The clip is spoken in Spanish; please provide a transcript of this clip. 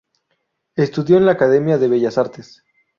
Estudió en la academia de Bellas Artes.